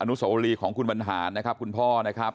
โสรีของคุณบรรหารนะครับคุณพ่อนะครับ